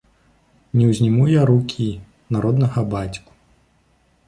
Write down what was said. Не ўзніму я рукі на роднага бацьку.